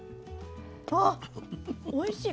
あっおいしい。